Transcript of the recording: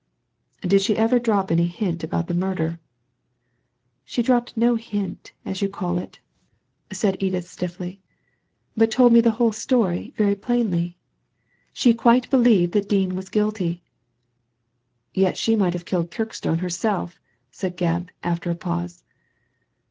" Did she ever drop any hint about the murder ?" "She dropped no hint, as you call it," said Edithi Digitized by Google ic6 THE LADY FROM NOWHERE stiiSy, " but told me the whole story very plainly. She quite believed that Dean was guilty." Yet she might have killed Kirkstone herself," said Gebb, after a pause.